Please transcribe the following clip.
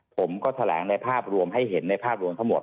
ผมก็แถลงในภาพรวมให้เห็นในภาพรวมทั้งหมด